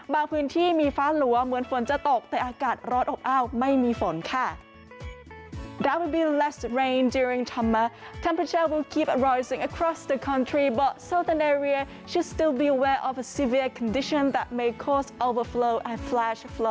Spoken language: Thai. พื้นที่มีฟ้าหลัวเหมือนฝนจะตกแต่อากาศร้อนอบอ้าวไม่มีฝนค่ะ